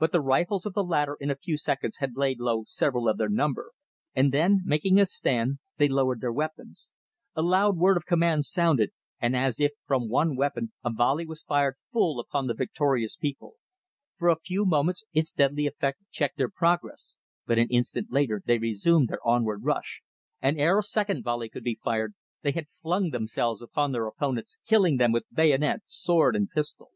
But the rifles of the latter in a few seconds had laid low several of their number, and then, making a stand, they lowered their weapons. A loud word of command sounded, and as if from one weapon a volley was fired full upon the victorious people. For a few moments its deadly effect checked their progress, but an instant later they resumed their onward rush, and ere a second volley could be fired they had flung themselves upon their opponents, killing them with bayonet, sword and pistol.